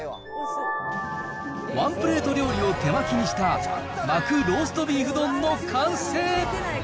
ワンプレート料理を手巻きにした巻くローストビーフ丼の完成。